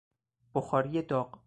بخاری داغ